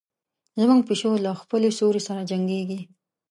زموږ پیشو له خپل سیوري سره جنګیږي.